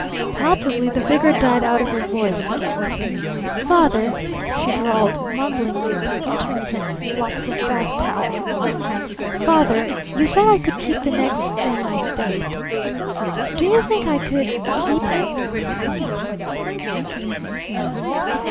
Palpably the vigor died out of her voice again. "Father," she drawled mumblingly through intermittent flops of bath towel; "Father you said I could keep the next thing I saved. Do you think I could keep him?"